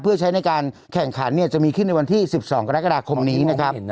เพื่อใช้ในการแข่งขันจะมีขึ้นในวันที่๑๒กรกฎาคมนี้นะครับ